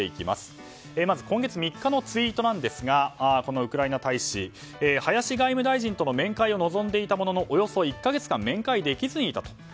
まず今月３日のツイートですがウクライナ大使林外務大臣との面会を望んでいたもののおよそ１か月間面会できずにいたと。